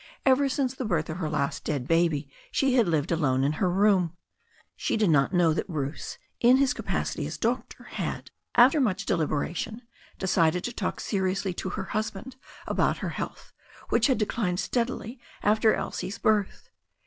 Ever since the birth of her last dead baby she had lived alone in her room. She did not know that Bruce, in his capacity as doctor, had, after much deliberation, decided to talk seriously to her husband about her health, which had declined steadily after Elsie's birth.